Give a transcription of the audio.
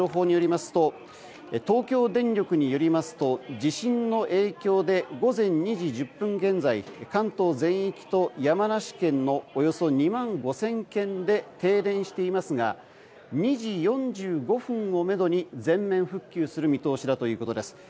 東京電力によりますと地震の影響で午前２時１０分現在関東全域と山梨県のおよそ２万５０００軒で停電していますが２時４５分をめどに全面復旧する見通しだということです。